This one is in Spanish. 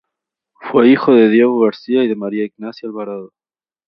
Fue hijo de Diego García y de María Ignacia Alvarado.